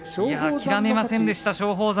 諦めませんでした、松鳳山。